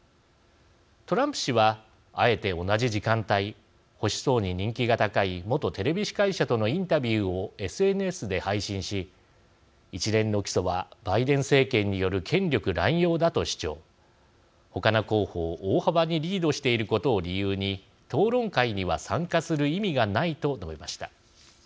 トランプ氏はあえて同じ時間帯保守層に人気が高い元テレビ司会者とのインタビューをＳＮＳで配信し一連の起訴はバイデン政権による権力乱用だと主張ほかの候補を大幅にリードしていることを理由に討論会には参加する意味がないと述べました。